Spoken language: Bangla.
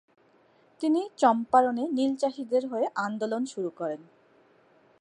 তিনি চম্পারণে নীলচাষীদের হয়ে আন্দোলন শুরু করেন।